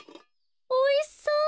おいしそう。